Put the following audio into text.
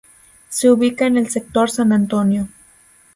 Se ubica en el sector San Antonio.